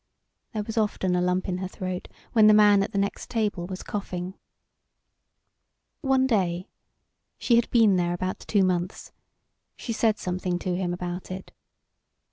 There was often a lump in her throat when the man at the next table was coughing. One day, she had been there about two months, she said something to him about it.